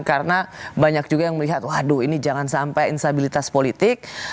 karena banyak juga yang melihat waduh ini jangan sampai instabilitas politik